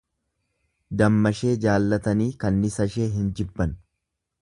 Dammashee jaallatanii kannisashee hin jibban.